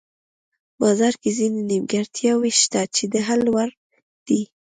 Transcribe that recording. بازار کې ځینې نیمګړتیاوې شته چې د حل وړ دي.